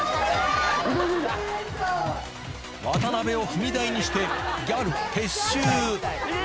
渡辺を踏み台にして、ギャル撤収。